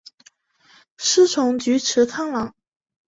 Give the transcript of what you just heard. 师从菊池康郎。